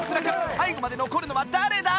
最後まで残るのは誰だ？